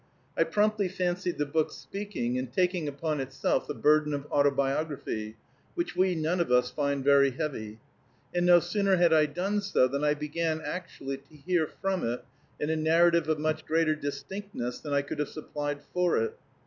I promptly fancied the book speaking, and taking upon itself the burden of autobiography, which we none of us find very heavy; and no sooner had I done so than I began actually to hear from it in a narrative of much greater distinctness than I could have supplied for it.